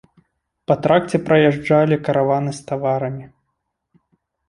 Па тракце праязджалі караваны з таварамі.